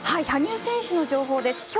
羽生選手の情報です。